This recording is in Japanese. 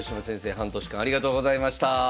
半年間ありがとうございました。